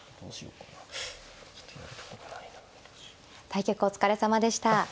対局お疲れさまでした。